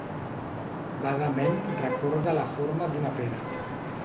Vagament recorda a la forma d'una pera.